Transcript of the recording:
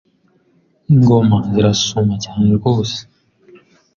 Ingoma zirasuma cyane Rwose